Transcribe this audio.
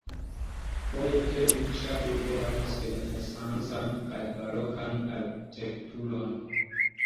Foje tre riĉa urbo havas renesancan kaj barokan arkitekturon.